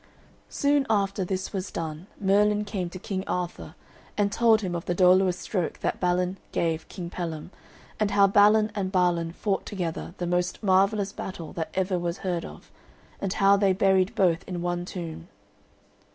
Soon after this was done Merlin came to King Arthur and told him of the dolorous stroke that Balin gave King Pellam, and how Balin and Balan fought together the most marvellous battle that ever was heard of, and how they buried both in one tomb.